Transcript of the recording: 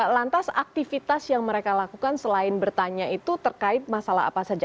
lantas aktivitas yang mereka lakukan selain bertanya itu terkait masalah apa saja